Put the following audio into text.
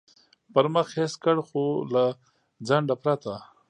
پر مخ حس کړ، خو له ځنډه پرته.